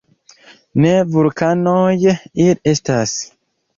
Ne vulkanoj ili estas.